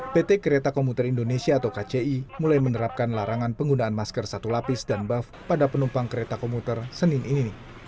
pt kereta komuter indonesia atau kci mulai menerapkan larangan penggunaan masker satu lapis dan buff pada penumpang kereta komuter senin ini